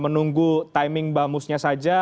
menunggu timing bamus nya saja